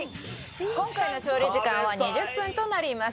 今回の調理時間は２０分となります